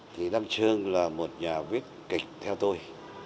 thì nam trương là một nhà viết kịch theo tôi